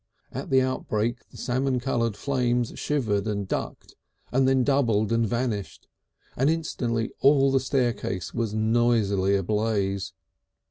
At the outbreak the salmon coloured flames shivered and ducked and then doubled and vanished, and instantly all the staircase was noisily ablaze.